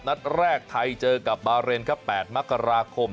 นัดแรกไทยเจอกับบาเรนครับ๘มกราคม